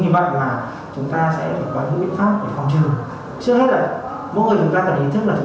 đấy là chúng ta nên tiêm vaccine phòng cú